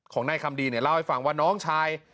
ของนายคำดีเนี่ยเล่าให้ฟังว่าน้องชาย